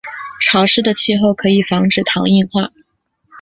潮湿的气候可能防止糖硬化。